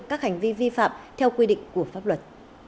các hành vi vi phạm theo quy định của pháp luật